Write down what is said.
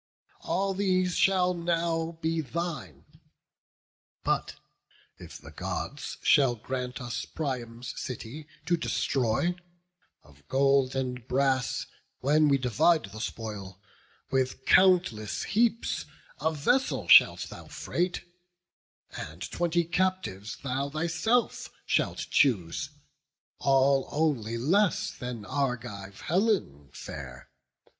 All these shall now be thine: but if the Gods Shall grant us Priam's city to destroy, Of gold and brass, when we divide the spoil, With countless heaps a vessel shalt thou freight, And twenty captives thou thyself shalt choose, All only less than Argive Helen fair.